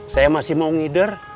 saya masih mau ngider